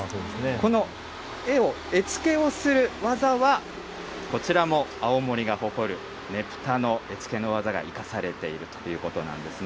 この絵を、絵付けをする技はこちらも青森が誇るねぷたの絵付けの技が生かされているということなんですね。